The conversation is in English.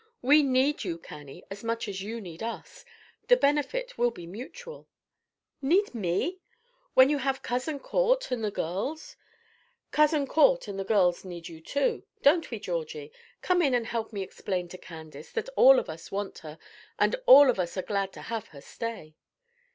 "We need you, Cannie, as much as you need us. The benefit will be mutual." "Need me! when you have Cousin Court and the girls?" "Cousin Court and the girls need you too. Don't we, Georgie? Come in and help me explain to Candace that all of us want her, and all of us are glad to have her stay."